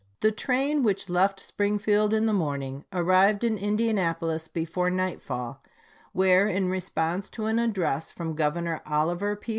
The train which left Springfield in the morning arrived in Indianapolis before nightfall, where, in response to an address from Governor Oliver P.